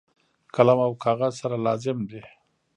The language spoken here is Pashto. قلم او کاغذ سره لازم دي.